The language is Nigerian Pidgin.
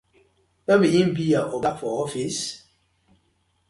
No bi him bi yu oga for office?